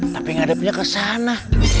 tapi ngadepnya ke sana